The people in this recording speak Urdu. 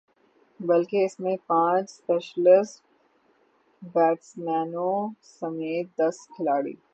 بلکہ اس میں پانچ اسپیشلسٹ بیٹسمینوں سمیت دس کھلاڑی